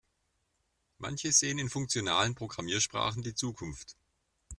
Manche sehen in funktionalen Programmiersprachen die Zukunft.